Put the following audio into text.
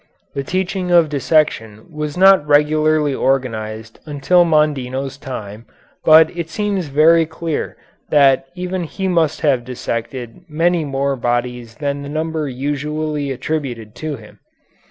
The teaching of dissection was not regularly organized until Mondino's time, but it seems very clear that even he must have dissected many more bodies than the number usually attributed to him.